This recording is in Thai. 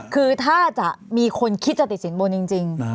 คือถ้าจะมีคนคิดจะติดสินบนจริง